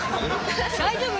大丈夫？